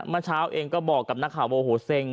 เมื่อเช้าเองก็บอกกับนักข่าวว่าโหเซ็ง